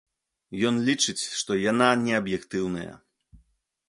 Ён лічыць, што яна неаб'ектыўная.